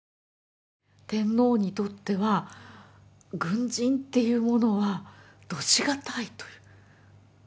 天皇にとっては軍人っていうものは度し難いという。